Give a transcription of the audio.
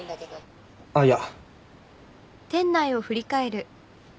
あっいや。